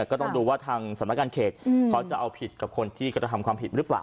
ก็ต้องดูว่าทางสำนักการเขตเขาจะเอาผิดกับคนที่กระทำความผิดหรือเปล่า